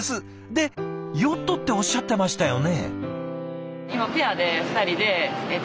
で「ヨット」っておっしゃってましたよね？